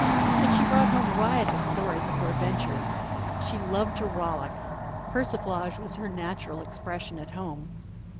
And she brought home riotous stories of her adventures. She loved to rollick; persiflage was her natural expression at home.